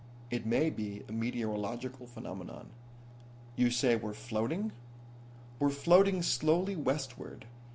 It may be a meteorological phenomenon." "You say we're floating?" "We're floating slowly westward.